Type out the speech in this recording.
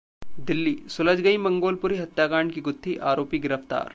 दिल्लीः सुलझ गई मंगोलपुरी हत्याकांड की गुत्थी, आरोपी गिरफ्तार